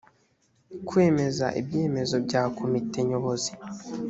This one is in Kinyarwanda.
kwemeza ibyemezo bya komite nyobozi